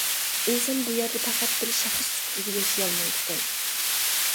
ئىنسان بۇ يەردە پەقەت بىر شەخس سۈپىتىدە ياشىيالمايدىكەن.